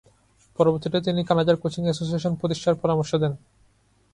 পরবর্তীতে তিনি কানাডার কোচিং এসোসিয়েশন প্রতিষ্ঠার পরামর্শ দেন।